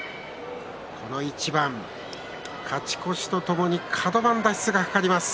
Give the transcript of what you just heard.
この一番、勝ち越しとともにカド番脱出が懸かります。